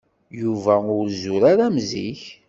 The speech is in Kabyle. Yuba ur zur ara am zik.